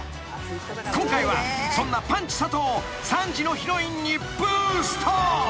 ［今回はそんなパンチ佐藤を３時のヒロインにブースト］